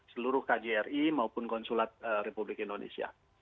seluruh kjri maupun konsulat republik indonesia